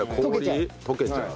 溶けちゃう。